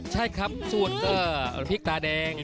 ใช่ครับส่วนก็พริกตาแดง